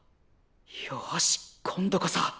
よし今度こそ絶対！